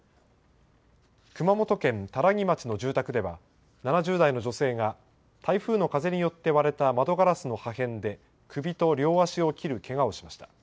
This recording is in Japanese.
熊本県多良木町の住宅では７０代の女性が台風の風によって割れた窓ガラスの破片で首と両足を切るけがをしました。